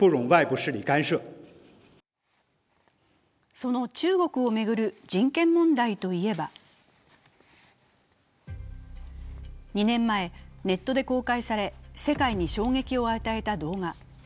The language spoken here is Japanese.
その中国を巡る人権問題といえば２年前、ネットで公開され世界に衝撃を与えた動画。